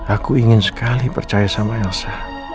aku ingin sekali percaya sama elsa